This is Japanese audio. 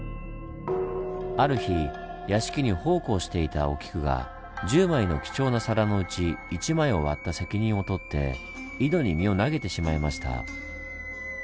ある日屋敷に奉公していたお菊が１０枚の貴重な皿のうち１枚を割った責任を取って井戸に身を投げてしまいました。